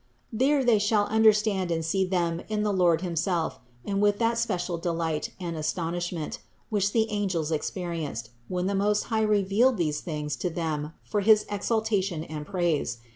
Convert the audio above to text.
There they shall understand and see them in the Lord Himself and with that special delight and astonishment, which the angels experienced, when the Most High revealed these things to them for his exal tation and praise.